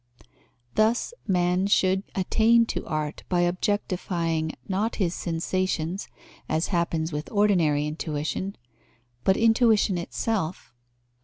Thus man should attain to art, by objectifying, not his sensations, as happens with ordinary intuition, but intuition itself.